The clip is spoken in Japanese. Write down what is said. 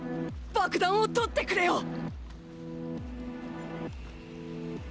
爆弾を取ってくれよ！！